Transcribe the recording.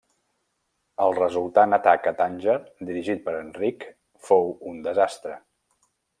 El resultant atac a Tànger, dirigit per Enric, fou un desastre.